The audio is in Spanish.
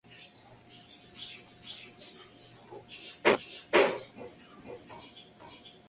James se entrenó en el "Royal Scottish Academy of Music and Drama".